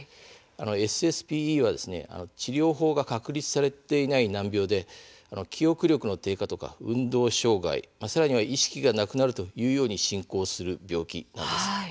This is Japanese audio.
ＳＳＰＥは治療法が確立されていない難病で記憶力の低下や運動障害さらには意識がなくなるというように進行する病気なんです。